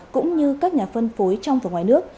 cũng như các nhà phân phối trong và ngoài nước